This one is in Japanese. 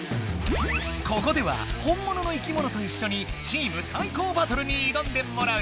ここでは本物のいきものといっしょにチーム対抗バトルにいどんでもらう。